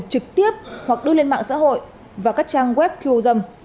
trực tiếp hoặc đưa lên mạng xã hội và các trang web khiêu dâm